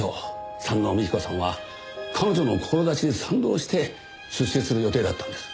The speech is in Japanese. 山王美紀子さんは彼女の志に賛同して出資する予定だったんです。